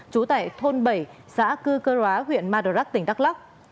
chú tại thôn bảy xã cư cơ hóa huyện madarab tỉnh đắk lắc